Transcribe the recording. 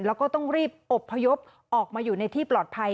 แล้วก็ต้องรีบอบพยพออกมาอยู่ในที่ปลอดภัย